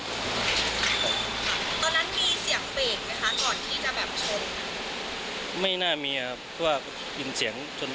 ตอนนั้นมีเสียงเบรกไหมคะจากนั้นมีเสียงเบรกนะคะ